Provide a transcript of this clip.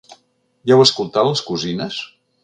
Ja heu escoltat "Les cosines"?